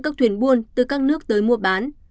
các thuyền buôn từ các nước tới mua bán